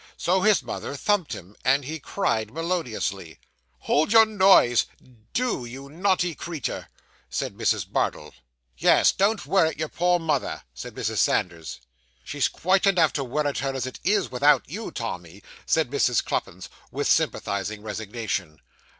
So his mother thumped him, and he cried melodiously. 'Hold your noise do you naughty creetur!' said Mrs. Bardell. 'Yes; don't worrit your poor mother,' said Mrs. Sanders. 'She's quite enough to worrit her, as it is, without you, Tommy,' said Mrs. Cluppins, with sympathising resignation.